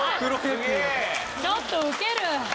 ちょっとウケる！